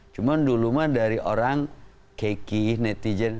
cuma dulu mah dari orang keki netizen